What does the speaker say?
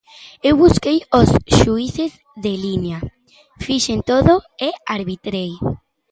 Eu busquei os xuíces de liña, fixen todo e arbitrei.